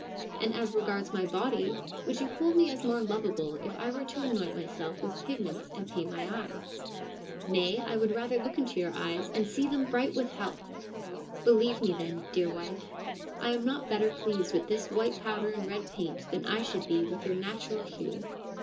1 And as regards my body, would you hold me as more lovable if I were to anoint myself with pigments and paint my eyes ?'' Nay, I would rather look into your eyes and see them bright with health.' ' Believe me, then, dear wife, I am not better pleased with this white powder and red paint than I should be with your natural hue.'